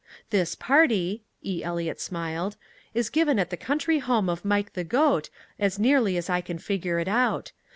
"This party," E. Eliot smiled, "is given at the country home of Mike the Goat, as nearly as I can figure it out.